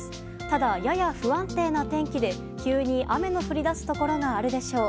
ただ、やや不安定な天気で急に雨の降り出すところがあるでしょう。